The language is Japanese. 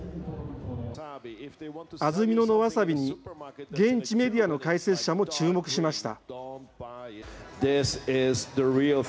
安曇野のワサビに現地メディアの解説者も注目しました。